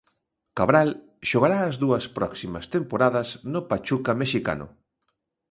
Cabral xogará as dúas próximas temporadas no Pachuca mexicano.